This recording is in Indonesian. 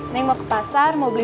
sekarang kita mulai